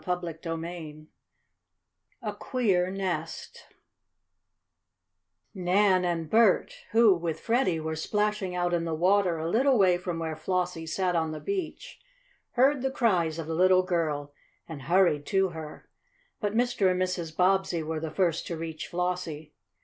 ] CHAPTER XVII A QUEER NEST Nan and Bert, who, with Freddie, were splashing out in the water a little way from where Flossie sat on the beach, heard the cries of the little girl and hurried to her. But Mr. and Mrs. Bobbsey were the first to reach Flossie.